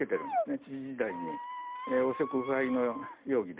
知事時代に汚職・腐敗の容疑で。